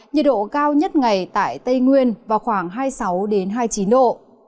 nhiệt độ cao nhất ngày tại tây nguyên vào khoảng hai mươi sáu hai mươi chín độ